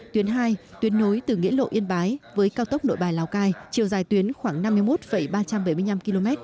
tuyến hai tuyến nối từ nghĩa lộ yên bái với cao tốc nội bài lào cai chiều dài tuyến khoảng năm mươi một ba trăm bảy mươi năm km